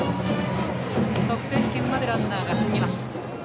得点圏までランナーが進みました。